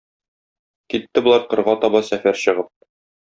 Китте болар кырга таба сәфәр чыгып.